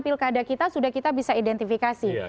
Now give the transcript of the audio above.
pilkada kita sudah kita bisa identifikasi